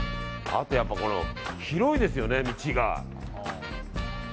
あと、やっぱ広いですよね、道が。